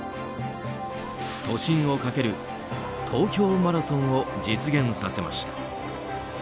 都心を駆ける東京マラソンを実現させました。